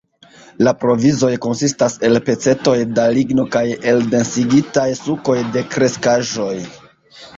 La provizoj konsistas el pecetoj da ligno kaj el densigitaj sukoj de kreskaĵoj.